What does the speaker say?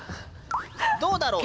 どうだろう？